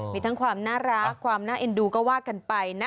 มีทั้งความน่ารักความน่าเอ็นดูก็ว่ากันไปนะ